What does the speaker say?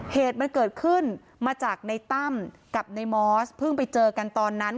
เหตุมันเกิดขึ้นมาจากในตั้มกับในมอสเพิ่งไปเจอกันตอนนั้น